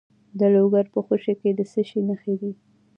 د لوګر په خوشي کې د څه شي نښې دي؟